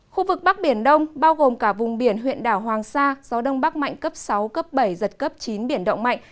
khu vực bắc biển đông bao gồm cả vùng biển huyện đảo hoàng sa gió đông bắc mạnh cấp sáu cấp bảy giật cấp chín biển động mạnh